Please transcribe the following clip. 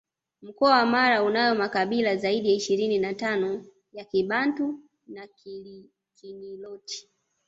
Mkoa wa Mara unayo makabila zaidi ya ishirini na tano ya Kibantu na Kiniloti